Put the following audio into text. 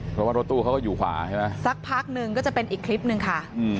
เพราะว่ารถตู้เขาก็อยู่ขวาใช่ไหมสักพักหนึ่งก็จะเป็นอีกคลิปหนึ่งค่ะ